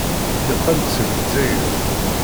Yeqqel-d seg Lezzayer.